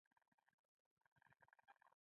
هر څوک چې ځان منظم کړي، بریالی کېږي.